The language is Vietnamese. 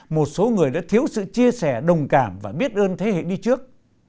một số người đã thiếu sự chia sẻ đồng cảm và biết ơn thế hệ đi trước